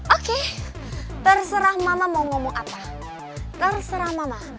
oke terserah mama mau ngomong apa terserah mama